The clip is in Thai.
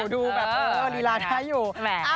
ดูแบบเออดีลาน่าอยู่